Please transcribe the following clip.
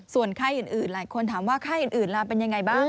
ส่วนไข้อื่นหลายคนถามว่าไข้อื่นล่ะเป็นยังไงบ้าง